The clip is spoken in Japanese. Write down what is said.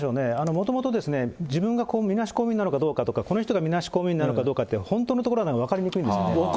もともと、自分がみなし公務員になるかどうかとか、この人がみなし公務員なのかどうかって、本当のところは分かりに分かりづらいですよ。